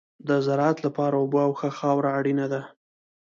د زراعت لپاره اوبه او ښه خاوره اړینه ده.